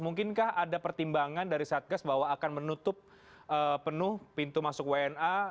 mungkinkah ada pertimbangan dari satgas bahwa akan menutup penuh pintu masuk wna